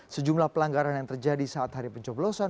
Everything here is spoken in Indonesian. sejumlah pelanggaran yang terjadi saat hari pencoblosan